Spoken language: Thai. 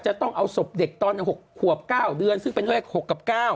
จะต้องเอาศพเด็กตอน๖ขวบ๙เดือนซึ่งเป็นเลข๖กับ๙